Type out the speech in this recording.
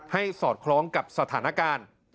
สอดคล้องกับสถานการณ์